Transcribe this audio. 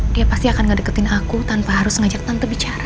dia pasti akan ngedeketin aku tanpa harus ngajak tante bicara